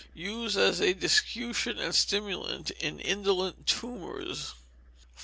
Use as a discutient and stimulant in indolent tumours. 543.